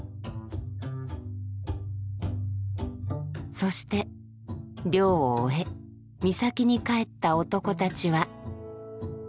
そして漁を終え三崎に帰った男たちは。